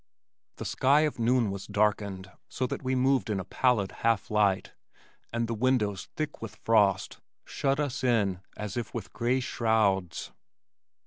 The sky of noon was darkened, so that we moved in a pallid half light, and the windows thick with frost shut us in as if with gray shrouds.